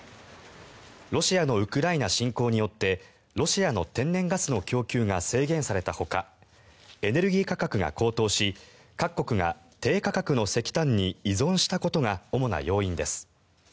ロシアのウクライナ侵攻によってロシアの天然ガスの供給が制限されたほかエネルギー価格が高騰し各国が低価格の石炭に依存したことが主な要因です。